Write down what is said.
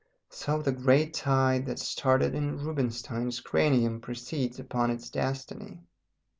So the great tide that started in Rubinstein's cranium proceeds upon its destiny.